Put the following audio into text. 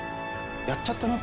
やっちゃったな。